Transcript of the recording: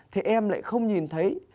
thì em lại không nhìn thấy